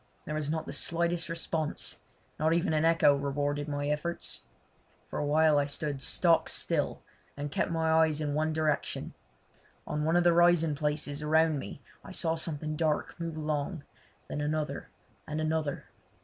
There was not the slightest response; not even an echo rewarded my efforts. For a while I stood stock still and kept my eyes in one direction. On one of the rising places around me I saw something dark move along, then another, and another.